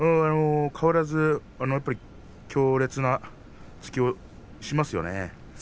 変わらず強烈な突きをしますね。